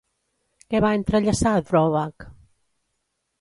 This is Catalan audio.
Què va entrellaçar Dvořák?